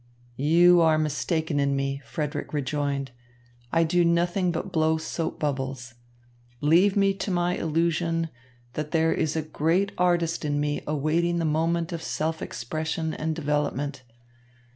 "You are mistaken in me," Frederick rejoined. "I do nothing but blow soap bubbles. Leave me to my illusion, that there is a great artist in me awaiting the moment of self expression and development.